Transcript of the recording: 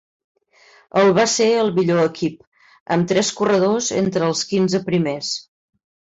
El va ser el millor equip, amb tres corredors entre els quinze primers.